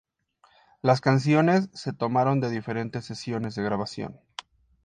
Las canciones se tomaron de diferentes sesiones de grabación.